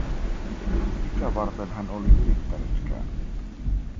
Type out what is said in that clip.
Mitä varten hän oli yrittänytkään.